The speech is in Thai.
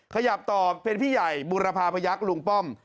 ขยับต่อเป็นพี่ใหญ่บุรพาพยักษ์ลุงป้อม